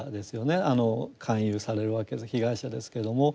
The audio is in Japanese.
勧誘されるわけで被害者ですけども。